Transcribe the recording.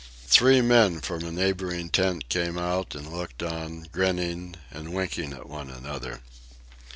Three men from a neighboring tent came out and looked on, grinning and winking at one another.